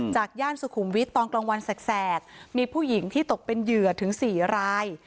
ย่านสุขุมวิทย์ตอนกลางวันแสกมีผู้หญิงที่ตกเป็นเหยื่อถึง๔ราย